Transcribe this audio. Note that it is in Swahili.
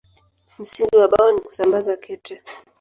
Msingi wa Bao ni kusambaza kete.